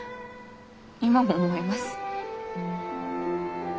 今も思います。